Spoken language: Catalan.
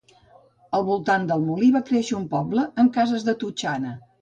Al voltant del molí va créixer un poble amb cases de totxana.